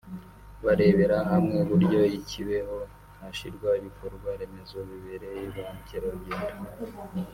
barebera hamwe uburyo i Kibeho hashyirwa ibikorwa remezo bibereye ba mukerarugendo